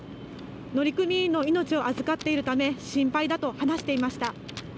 乗組員の命を預かっているため心配だと話していました。